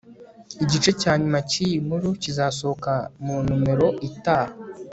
igice cya nyuma cyiyi nkuru kizasohoka mu nomero itaha